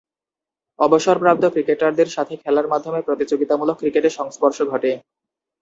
অবসরপ্রাপ্ত ক্রিকেটারদের সাথে খেলার মাধ্যমে প্রতিযোগিতামূলক ক্রিকেটে সংস্পর্শ ঘটে।